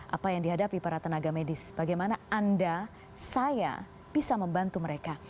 apa yang dihadapi para tenaga medis bagaimana anda saya bisa membantu mereka